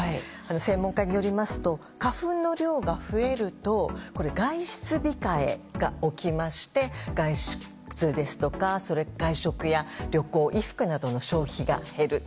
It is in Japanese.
専門家によりますと花粉の量が増えると外出控えが起きまして外食や旅行、衣服の消費が減る。